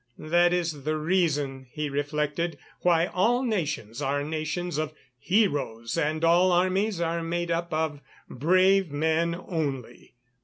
That is the reason, he reflected, why all nations are nations of heroes and all armies are made up of brave men only.